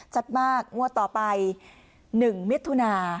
ชัดมากมั่วต่อไป๑มิตรทุนา